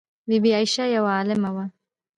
بی بي عایشه یوه عالمه وه.